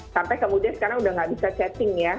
sampai kemudian sekarang udah nggak bisa chatting ya